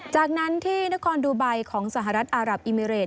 จากนั้นที่นครดูไบของสหรัฐอารับอิมิเรน